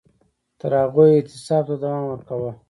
تر هغو یې اعتصاب ته دوام ورکاوه